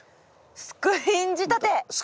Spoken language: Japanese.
スクリーン仕立て。